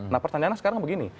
nah pertanyaannya sekarang begini